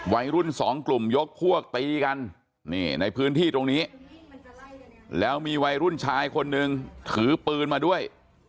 วัยรุ่นสองกลุ่มยกพวกตีกันนี่ในพื้นที่ตรงนี้แล้วมีวัยรุ่นชายคนนึงถือปืนมาด้วย